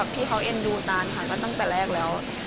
ที่เขาเอ็นดูตานค่ะก็ตั้งแต่แรกแล้ว